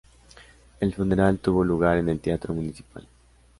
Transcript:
El funeral tuvo lugar en el Teatro Municipal.